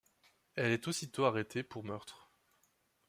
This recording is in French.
Elle est aussitôt arrêtée pour meurtre.